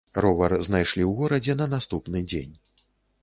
Ровар знайшлі ў горадзе на наступны дзень.